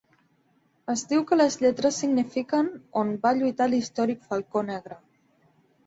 Es diu que les lletres signifiquen "On va lluitat l'històric falcó negre".